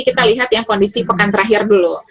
kita lihat ya kondisi pekan terakhir dulu